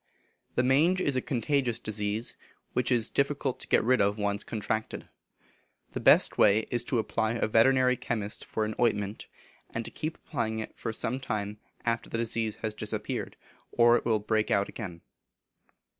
The mange is a contagious disease, which it is difficult to get rid of when once contracted. The best way is to apply to a veterinary chemist for an ointment, and to keep applying it for some time after the disease has disappeared, or it will break out again.